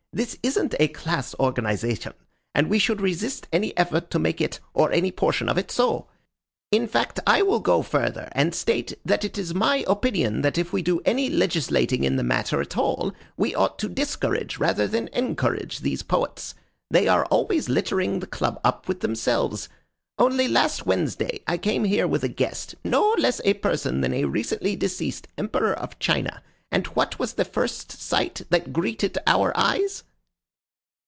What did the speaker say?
"This isn't a class organization, and we should resist any effort to make it or any portion of it so. In fact, I will go further and state that it is my opinion that if we do any legislating in the matter at all, we ought to discourage rather than encourage these poets. They are always littering the club up with themselves. Only last Wednesday I came here with a guest no less a person than a recently deceased Emperor of China and what was the first sight that greeted our eyes?"